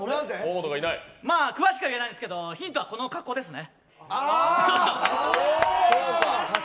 詳しくは言えないですけどヒントはこの格好ですね。